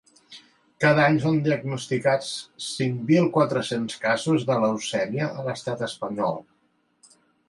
Cada any són diagnosticats cinc mil quatre-cents casos de leucèmia a l’estat espanyol.